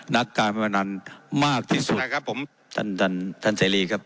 นักการพิมพ์นั้นมากที่สุดครับผมท่านท่านท่านเจรีย์ครับ